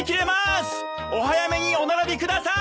お早めにお並びください！